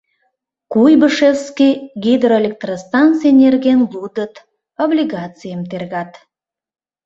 Куйбышевский гидроэлектростанций нерген лудыт, облигацийым тергат.